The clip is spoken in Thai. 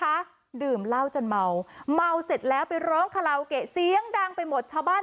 อันนั้นโยงกอดดื่มครับผมแม่นปะแม่นครับอ้าวจังหลีนงานสิไม่ได้หลีนครับไม่ได้หลีน